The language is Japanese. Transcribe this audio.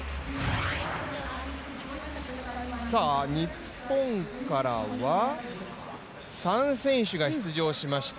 日本からは３選手が出場しました。